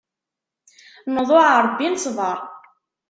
Nḍuɛ Ṛebbi, nesbeṛ.